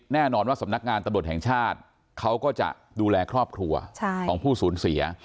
แน่นอนว่าสำนักงานตำรวจแห่งชาติเขาก็จะดูแลครอบครัวของผู้สูญเสีย